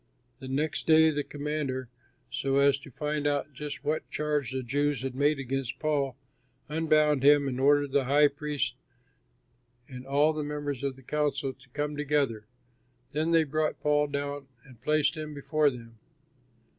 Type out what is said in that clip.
The next day the commander, so as to find out just what charge the Jews had made against Paul, unbound him and ordered the high priests and all the members of the council to come together. Then they brought Paul down and placed him before them.